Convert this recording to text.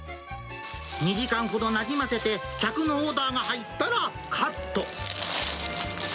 ２時間ほどなじませて、客のオーダーが入ったらカット。